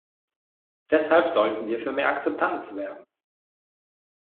Deshalb sollten wir für mehr Akzeptanz werben.